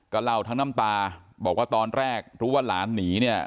เล่าทั้งน้ำตาบอกว่าตอนแรกรู้ว่าหลานหนีเนี่ย